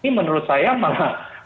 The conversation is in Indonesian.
ini menurut saya malah